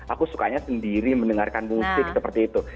aku sukanya sendiri mendengarkan musik seperti itu